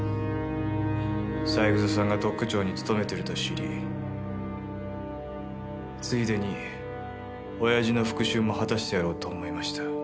三枝さんが特許庁に勤めていると知りついでに親父の復讐も果たしてやろうと思いました。